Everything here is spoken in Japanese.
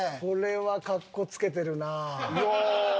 これはかっこつけてるな。